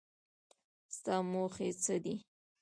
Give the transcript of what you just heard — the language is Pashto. ستا موخې څه دي ؟